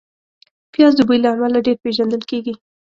پیاز د بوی له امله ډېر پېژندل کېږي